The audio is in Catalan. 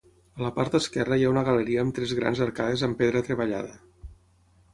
A la part esquerra hi ha una galeria amb tres grans arcades amb pedra treballada.